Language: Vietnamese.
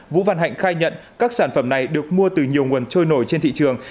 vũ văn hạnh khai nhận các sản phẩm này được mua từ nhiều nguồn trôi nổi trên thị trường